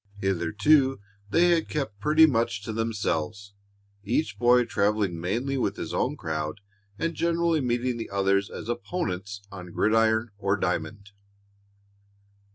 Hitherto they had kept pretty much to themselves, each boy traveling mainly with his own crowd and generally meeting the others as opponents on gridiron or diamond.